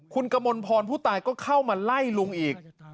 คุณกมลพรผู้ตายก็เข้ามาไล่ลุงอีก